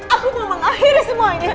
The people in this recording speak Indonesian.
aku mau mengakhirin semuanya